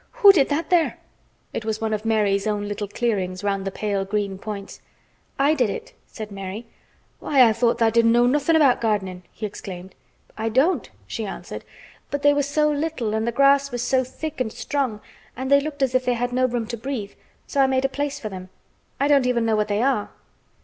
"Who did that there?" It was one of Mary's own little clearings round the pale green points. "I did it," said Mary. "Why, I thought tha' didn't know nothin' about gardenin'," he exclaimed. "I don't," she answered, "but they were so little, and the grass was so thick and strong, and they looked as if they had no room to breathe. So I made a place for them. I don't even know what they are."